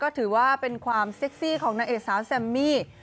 ถือว่าเป็นความเซ็กซี่ของนางเอกสาวแซมมี่